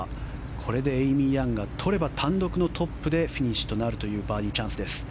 これでエイミー・ヤンがとれば単独のトップでフィニッシュとなるというバーディーチャンスです。